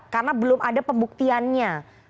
karena belum ada pembuktiannya